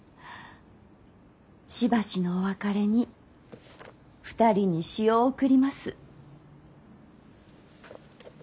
しばしのお別れに２人に詩を贈ります。